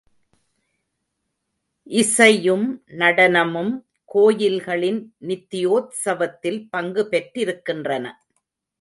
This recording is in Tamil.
இசையும் நடனமும் கோயில்களின் நித்யோத்சவத்தில் பங்கு பெற்றிருக்கின்றன.